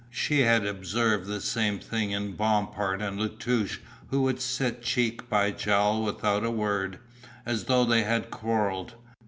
She had observed the same thing in Bompard and La Touche who would sit cheek by jowl without a word, as though they had quarrelled.